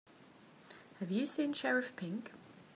Have you seen Sheriff Pink?